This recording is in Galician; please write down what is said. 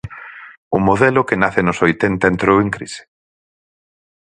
O modelo que nace nos oitenta entrou en crise?